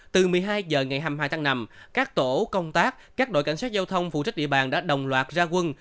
từ một mươi hai h ngày hai mươi hai tháng năm các tổ công tác các đội cảnh sát giao thông phụ trách địa bàn đã đồng loạt ra quân